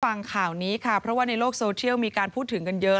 ฟังข่าวนี้ค่ะเพราะว่าในโลกโซเชียลมีการพูดถึงกันเยอะ